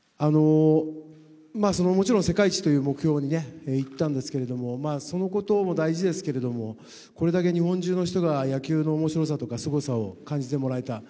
もちろん世界一という目標にいったんですけれども、そのことも大事ですけれども、これだけ日本中の人が野球の面白さとかすごさを感じてもらえた。